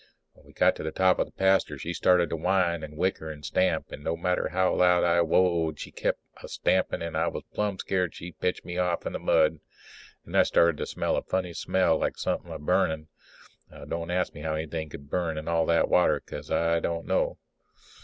When we got to the top of the pasture she started to whine and whicker and stamp, and no matter how loud I whoa ed she kept on a stamping and I was plumb scared she'd pitch me off in the mud. Then I started to smell a funny smell, like somethin' burning. Now, don't ask me how anything could burn in all that water, because I don't know.